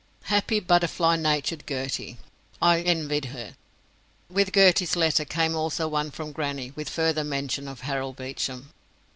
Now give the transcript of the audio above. Happy butterfly natured Gertie! I envied her. With Gertie's letter came also one from grannie, with further mention of Harold Beecham.